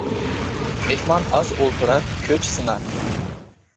مېھمان ئاز ئولتۇرار، كۆچ سىنار.